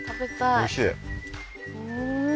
おいしい！